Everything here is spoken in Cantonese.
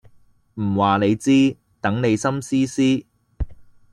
唔話你知，等你心思思